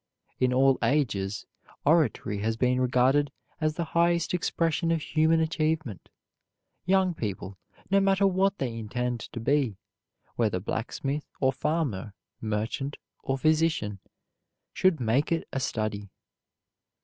In all ages oratory has been regarded as the highest expression of human achievement. Young people, no matter what they intend to be, whether blacksmith or farmer, merchant or physician, should make it a study.